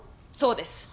そうです。